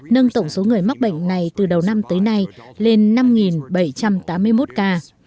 nâng tổng số người mắc bệnh này từ đầu năm tới nay lên năm bảy trăm tám mươi một ca